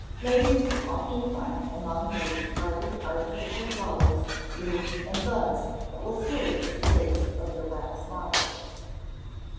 Ladies will often find among their discarded artificial flowers, leaves and buds that will serve as the base of their wax models.